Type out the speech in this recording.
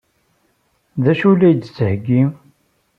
D acu ay la d-yettheyyi?